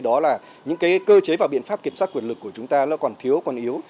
đó là những cơ chế và biện pháp kiểm soát quyền lực của chúng ta còn thiếu còn yếu